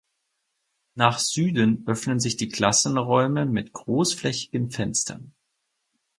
Nach Süden öffnen sich die Klassenräume mit großflächigen Fenstern.